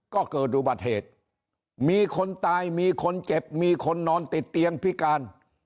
ก็เกิดอุบัติเหตุมีคนตายมีคนเจ็บมีคนนอนติดเตียงพิการ